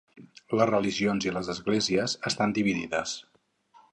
Les religions i les esglésies estan dividides.